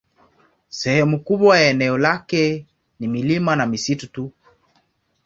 Sehemu kubwa ya eneo lake ni milima na misitu tu.